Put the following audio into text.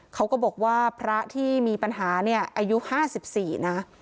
เขาก็บอกว่าพระที่มีปัญหาเนี่ยอายุห้าสิบสี่นะ